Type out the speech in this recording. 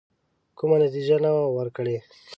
کومه نتیجه نه وه ورکړې.